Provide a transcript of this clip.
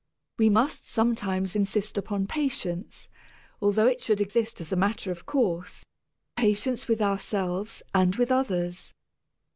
We must sometimes insist upon patience, though it should exist as a matter of course patience with ourselves and with others.